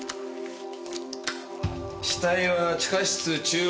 死体は地下室中央。